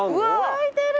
咲いてる。